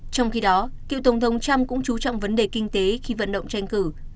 trong khi đó cựu tổng thống trump cũng chú trọng vấn đề kinh tế khi vận động tranh cử